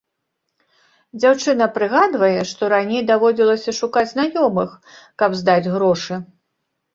Дзяўчына прыгадвае, што раней даводзілася шукаць знаёмых, каб здаць грошы.